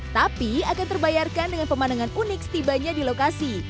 tapi akan terbayarkan dengan pemandangan unik setibanya di lokasi